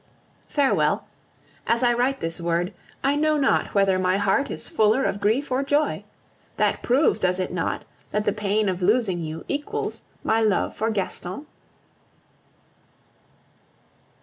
Farewell. As I write this word, I know not whether my heart is fuller of grief or joy. That proves, does it not, that the pain of losing you equals my love for Gaston?